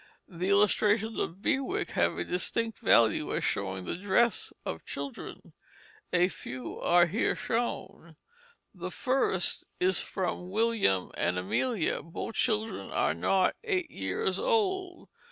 The illustrations of Bewick have a distinct value as showing the dress of children. A few are here shown. The first is from William and Amelia; both children are not eight years old.